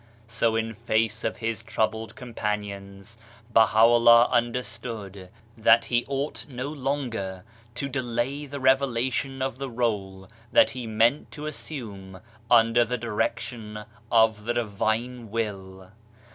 So in face of his troubled companions, Baha'u'llah understood that he ought no longer to delay the revelation of the role that he meant to assume under the direction of the Divine Will.